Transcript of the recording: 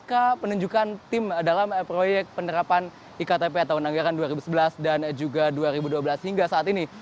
bagaimana penunjukan tim dalam proyek penerapan iktp tahun anggaran dua ribu sebelas dan juga dua ribu dua belas hingga saat ini